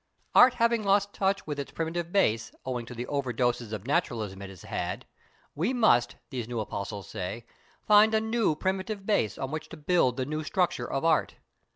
Art having lost touch with its primitive base owing to the over doses of naturalism it has had, we must, these new apostles say, find a new primitive base on which to build the new structure of art.